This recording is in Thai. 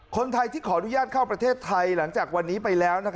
คนไทยที่ขออนุญาตเข้าประเทศไทยหลังจากวันนี้ไปแล้ว